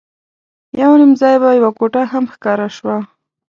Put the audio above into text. یو نیم ځای به یوه کوټه هم ښکاره شوه.